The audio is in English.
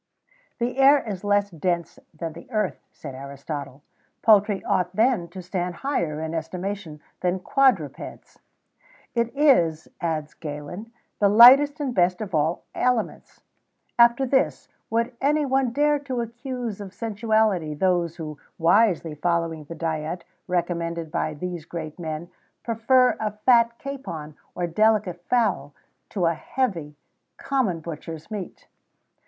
The air is less dense than the earth, said Aristotle; poultry ought, then, to stand higher in estimation than quadrupeds.[XVII 1] It is, adds Galen, the lightest and best of all aliments.[XVII 2] After this, would any one dare to accuse of sensuality those who, wisely following the diet recommended by these great men, prefer a fat capon or delicate fowl, to heavy, common butcher's meat?